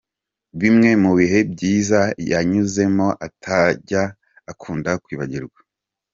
Bimwe mu bihe byiza yanyuzemo atajya akunda kwibagirwa.